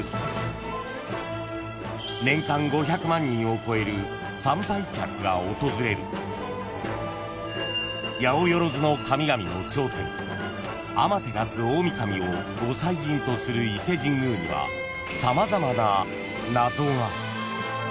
［年間５００万人を超える参拝客が訪れるやおよろずの神々の頂点天照大御神をご祭神とする伊勢神宮には様々な謎が］